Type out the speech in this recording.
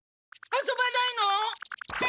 遊ばないの？